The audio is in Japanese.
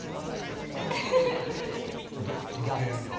ちょっとその提案には？